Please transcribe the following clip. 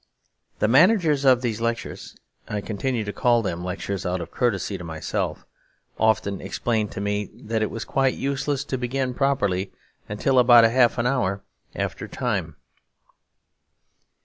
The managers of these lectures (I continue to call them lectures out of courtesy to myself) often explained to me that it was quite useless to begin properly until about half an hour after time.